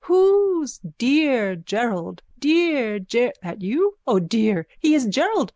Who's dear Gerald? Dear Ger, that you? O dear, he is Gerald.